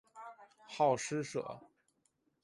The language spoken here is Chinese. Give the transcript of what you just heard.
好施舍。